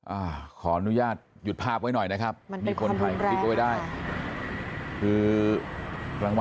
อ่าขอนุญาตหยุดภาพไว้หน่อยนะครับมันเป็นข้อธุระแรงค่ะ